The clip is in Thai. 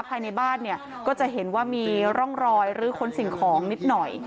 ภายในบ้านเนี่ยก็จะเห็นว่ามีร่องรอยลื้อค้นสิ่งของนิดหน่อย